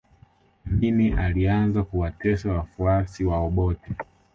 amini alianza kuwatesa wafuasi wa obote